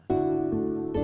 terima kasih pak